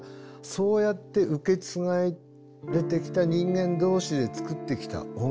そうやって受け継がれてきた人間同士で作ってきた音楽。